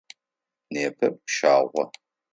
Непэ пщагъо.